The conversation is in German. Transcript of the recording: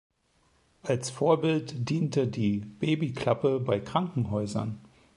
Als Vorbild diente die Babyklappe bei Krankenhäusern.